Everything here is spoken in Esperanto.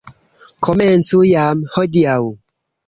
Komencu jam hodiaŭ!